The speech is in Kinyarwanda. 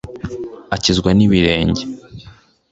akizwa n’ibirenge